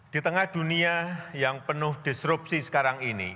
di tengah dunia yang penuh disrupsi sekarang ini